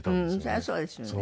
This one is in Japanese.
そりゃそうですよね。